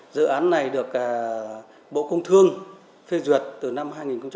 dự án này được bộ công thương phê duyệt từ năm hai nghìn một mươi